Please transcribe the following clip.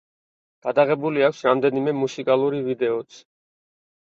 გადაღებული აქვს რამდენიმე მუსიკალური ვიდეოც.